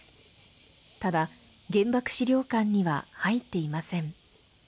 ただ、原爆資料館には入っていません。